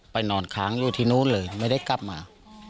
นอนค้างอยู่ที่นู่นเลยไม่ได้กลับมา